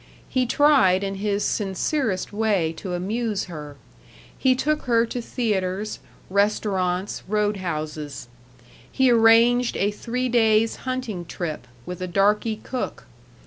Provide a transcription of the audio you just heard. He tried in his sincerest way to amuse her. He took her to theaters, restaurants, road houses. He arranged a three days' hunting trip, with a darky cook.